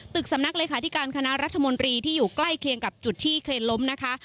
สำนักเลขาธิการคณะรัฐมนตรีที่อยู่ใกล้เคียงกับจุดที่เครนล้มนะคะ